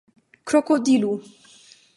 krokodilu